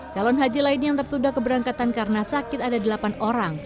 calon haji lain yang tertunda keberangkatan karena sakit ada delapan orang